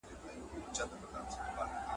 کله دومره بختور یم `